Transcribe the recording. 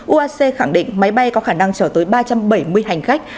uac khẳng định máy bay có khả năng chở tới ba trăm bảy mươi hành khách